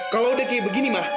kalau udah kayak begini mah